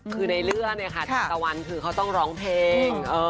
คือในเรื่องเนี่ยค่ะทางตะวันคือเขาต้องร้องเพลง